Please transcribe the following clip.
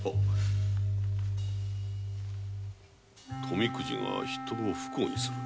「富くじは人を不幸にする」